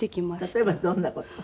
例えばどんな事？